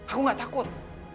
aku gak takut